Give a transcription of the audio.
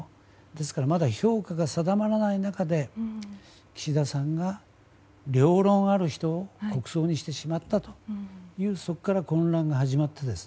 ですから評価が定まらない中で岸田さんが両論ある人を国葬にしてしまったと、そこから混乱が始まって。